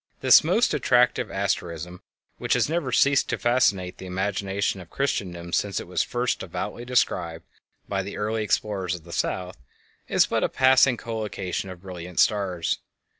This most attractive asterism, which has never ceased to fascinate the imagination of Christendom since it was first devoutly described by the early explorers of the South, is but a passing collocation of brilliant stars.